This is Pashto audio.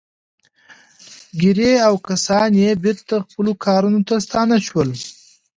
ګيري او کسان يې بېرته خپلو کارونو ته ستانه شول.